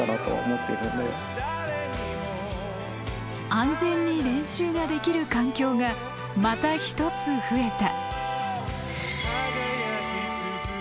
安全に練習ができる環境がまた一つ増えた。